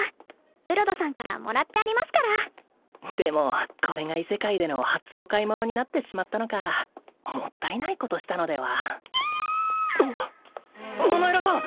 ブロドさんからもらってありますからでもこれが異世界での初お買い物になってしまったのかもったいないことしたのではナナエラさん